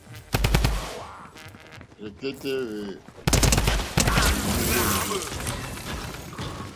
Rzɛ̀kɛ́tɛ́ hwèwɔ́lì hwéŋɡê.